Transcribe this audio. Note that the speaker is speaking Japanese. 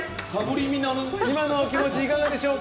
今のお気持ち、いかがでしょうか。